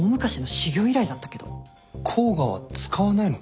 甲賀は使わないのか？